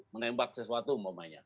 menembak sesuatu maksudnya